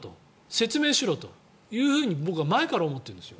説明しろと僕は前から思ってるんですよ。